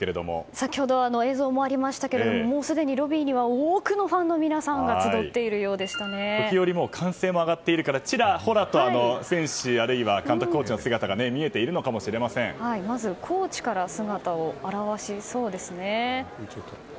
先ほど、映像もありましたがもうすでにロビーには多くのファンの皆さんが時折歓声も上がっているのでちらほらと選手あるいは監督、コーチの姿がまずコーチから姿を現しそうですね。